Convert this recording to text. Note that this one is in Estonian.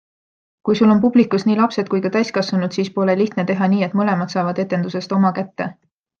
Kui sul on publikus nii lapsed kui ka täiskasvanud, siis pole lihtne teha nii, et mõlemad saavad etendusest oma kätte.